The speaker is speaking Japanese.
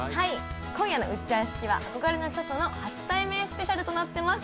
今夜の「ウッチャン式」は憧れの人との初対面スペシャルとなっています。